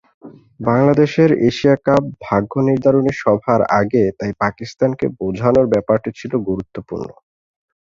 বাংলাদেশের এশিয়া কাপ-ভাগ্য নির্ধারণী সভার আগে তাই পাকিস্তানকে বোঝানোর ব্যাপারটি ছিল গুরুত্বপূর্ণ।